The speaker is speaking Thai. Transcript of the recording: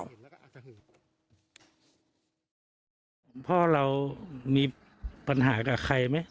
พ่อเรามีปัญหากับใครไหม